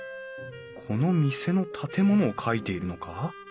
この店の建物を描いているのか？